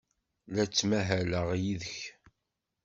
La ttmahaleɣ yid-k.